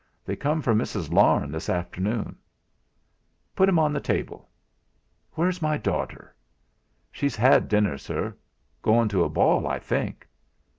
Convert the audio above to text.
They come from Mrs. Larne, this afternoon." "Put 'em on the table. Where's my daughter?" "She's had dinner, sir; goin' to a ball, I think."